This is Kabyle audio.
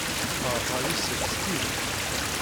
Feṛḥeɣ yes-k s tidet.